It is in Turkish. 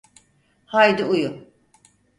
Haydi uyu.